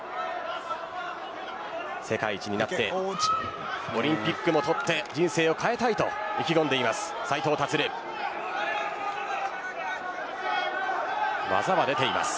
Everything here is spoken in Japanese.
世界一になってオリンピックもとって人生を変えたいと意気込んでいる斉藤立です。